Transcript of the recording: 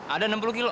ada rp enam puluh